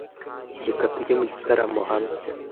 Reka tujye mu gitaramo hamwe.